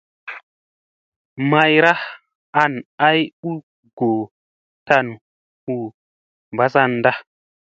Mayra an ay u goo tan huu mbazanda.